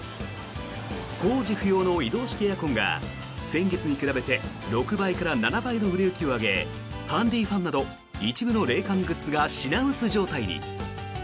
工事不要の移動式エアコンが先月に比べて６倍から７倍の売れ行きを上げハンディーファンなど一部の冷感グッズが品薄状態に。